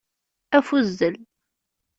Afuzzel.